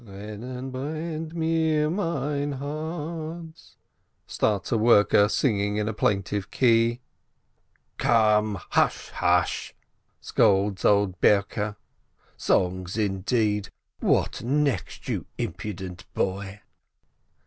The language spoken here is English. "Brennen brennt mir mein Harz," starts a worker singing in a plaintive key. "Come! hush, hush!" scolds old Berke. "Songs, in deed ! What next, you impudent boy ?"